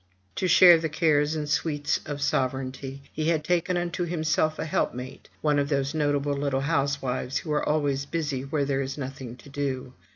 To share the cares and sweets of sovereignty, he had taken unto himself a helpmate, one of those notable little housewives who are always busy where there is nothing to do.